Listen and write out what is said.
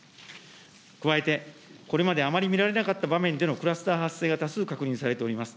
加えて、これまであまり見られなかった場面でのクラスター発生が多数確認されております。